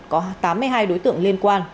có tám mươi hai đối tượng liên quan